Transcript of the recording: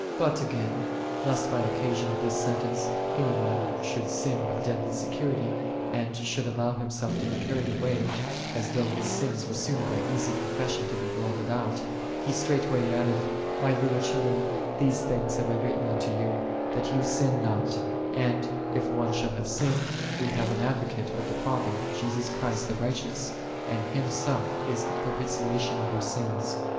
50. But, again, lest by occasion of this sentence, any one should sin with deadly se curity, and should allow himself to be carried away, as though his sins were soon by easy confession to be blotted out, he straightway added, " My little children, these things have I written unto you, that ye sin not; and, if one shall have sinned, we have an Advocate with the Father, Jesus Christ the righteous, and Himself is a propitiation of our sins."